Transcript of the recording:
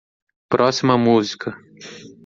Próxima música.